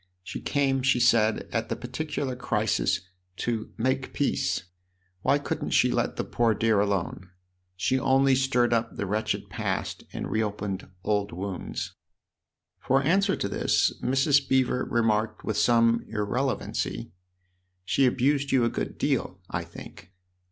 She came, she said, at the particular crisis, to 'make peace.' Why couldn't she let the poor dear alone ? She THE OTHER HOUSE 21 only stirred up the wretched past and reopened old wounds." For answer to this Mrs. Beever remarked with some irrelevancy :" She abused you a good deal, I think."